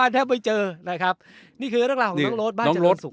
มันแทบไม่เจอนะครับนี่คือกระดับของน้องรถบ้านจนดลายสุข